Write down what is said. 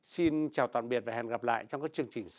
xin chào tạm biệt và hẹn gặp lại trong các chương trình sau